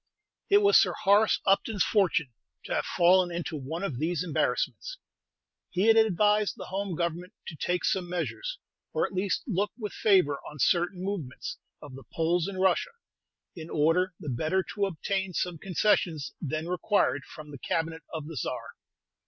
It was Sir Horace Upton's fortune to have fallen into one of these embarrassments. He had advised the Home Government to take some measures, or at least look with favor on certain movements of the Poles in Russia, in order the better to obtain some concessions then required from the Cabinet of the Czar.